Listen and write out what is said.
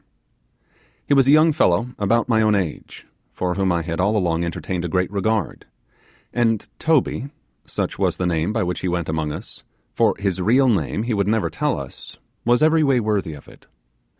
He was a young fellow about my own age, for whom I had all along entertained a great regard; and Toby, such was the name by which he went among us, for his real name he would never tell us, was every way worthy of it.